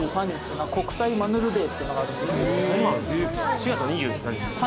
４月の２０何日ですか？